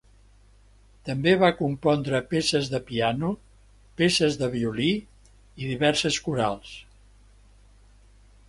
També va compondre peces de piano, peces de violí i diverses corals.